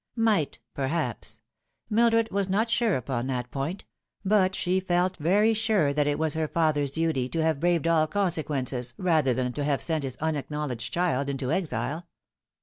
Might, perhaps. Mildred was not sure upon that point ; but she felt very sure that it was her father's duty to have braved all consequences rather than to have sent his unacknowledged child into exile.